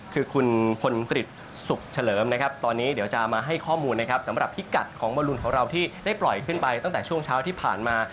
คือคุณพลกฤษสุขเฉลิมนะครับตอนนี้เดี๋ยวจะมาให้ข้อมูลนะครับสำหรับพิกัดของบอลลูนของเราที่ได้ปล่อยขึ้นไปตั้งแต่ช่วงเช้าที่ผ่านมา